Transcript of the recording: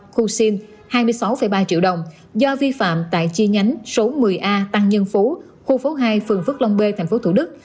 khu sim hai mươi sáu ba triệu đồng do vi phạm tại chi nhánh số một mươi a tăng nhân phú khu phố hai phường phước long b tp thủ đức